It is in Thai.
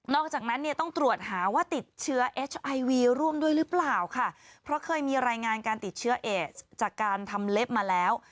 จากนั้นเนี่ยต้องตรวจหาว่าติดเชื้อเอชไอวีร่วมด้วยหรือเปล่าค่ะเพราะเคยมีรายงานการติดเชื้อเอสจากการทำเล็บมาแล้ว